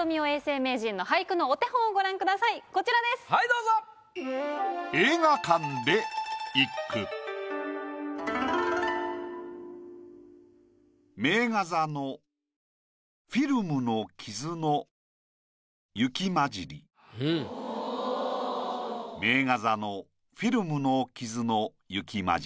「名画座のフィルムの傷の雪雑り」。